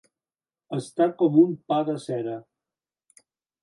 Estar com un pa de cera.